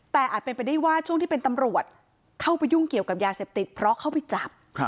แต่อาจเป็นไปได้ว่าช่วงที่เป็นตำรวจเข้าไปยุ่งเกี่ยวกับยาเสพติดเพราะเข้าไปจับ